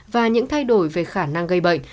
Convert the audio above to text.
và những thay đổi về khả năng gây bệnh